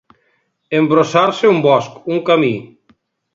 Embrossar-se un bosc, un camí.